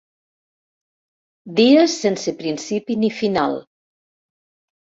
Dies sense principi ni final.